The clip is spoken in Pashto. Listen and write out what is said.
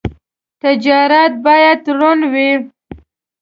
تجارت باید روڼ وي.